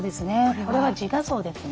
これは自画像ですね。